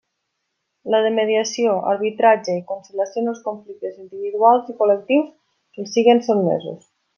La de mediació, arbitratge i conciliació en els conflictes individuals i col·lectius que els siguen sotmesos.